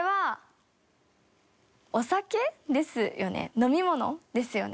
飲み物ですよね。